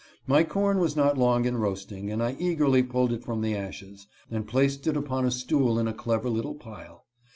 My corn was not long in roast ing, and I eagerly pulled it from the ashes, and placed it upon a stool in a clever little pile.